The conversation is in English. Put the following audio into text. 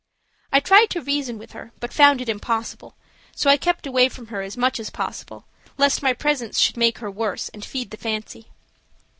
I tried to reason with her, but found it impossible, so I kept away from her as much as possible, lest my presence should make her worse and feed the fancy.